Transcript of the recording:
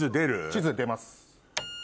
地図出ます。